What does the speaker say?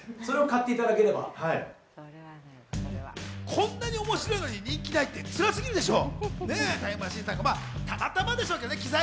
こんなに面白いのに人気がないってつらすぎるでしょ。